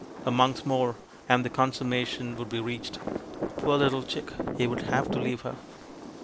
A month more, and the consummation would be reached. Poor little Chick, he would have to leave her